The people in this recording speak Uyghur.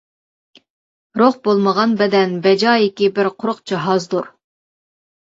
روھ بولمىغان بەدەن بەجايىكى بىر قۇرۇق جاھازدۇر.